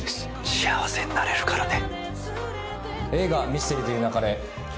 「幸せになれるからね」